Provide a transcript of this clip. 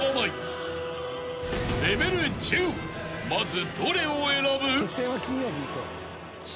まずどれを選ぶ？］